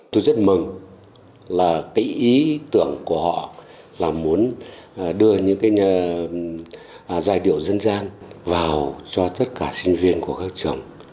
tôi rất mừng là cái ý tưởng của họ là muốn đưa những cái giai điệu dân gian vào cho tất cả sinh viên của các trường